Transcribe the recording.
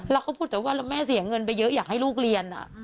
เขาก็พูดแต่ว่าแม่เสียเงินไปเยอะอยากให้ลูกเรียน